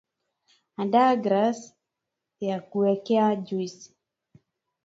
andaa glass yakuwekea juisi